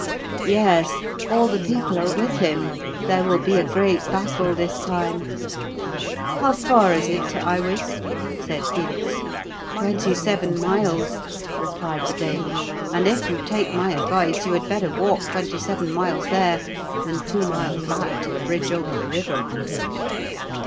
"Yes; all the people are with him; there will be a great battle this time." "How far is it to Iwis?" said Felix. "Twenty seven miles," replied the dame; "and if you take my advice, you had better walk twenty seven miles there, than two miles back to the bridge over the river."